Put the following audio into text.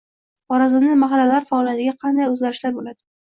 Xorazmda mahallalar faoliyatida qanday o‘zgarishlar bo‘ladi?